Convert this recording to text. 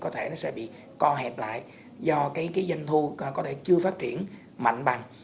có thể nó sẽ bị co hẹp lại do cái doanh thu có thể chưa phát triển mạnh bằng